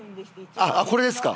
あっこれですか？